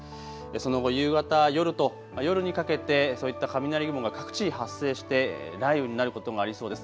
その後、夕方、夜と夜にかけてそういった雷雲が各地発生して雷雨になることもありそうです。